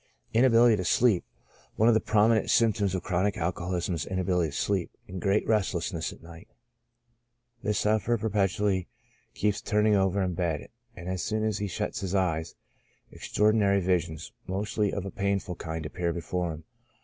Inability to Sleep. — One of the prominent symptoms of chronic alcoholism is inability to sleep, and great restlessness at night ; the sufferer perpetually keeps turning over in bed, and as soon as he shuts his eyes, extraordinary visions, mostly of a painful kind, appear before him.